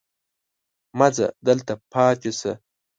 مه ځه دلته پاتې شه.